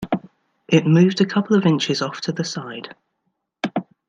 It moved a couple of inches off to the side.